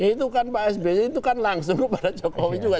itu kan pak sby itu kan langsung kepada jokowi juga